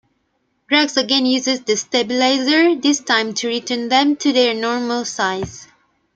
Drax again uses the stabilizer, this time to return them to their normal size.